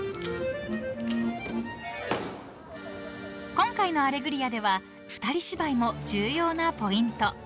［今回の『アレグリア』では二人芝居も重要なポイント］